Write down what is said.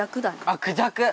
あっクジャク！